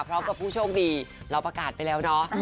พร้อมกับผู้โชคดีเราประกาศไปแล้วเนอะ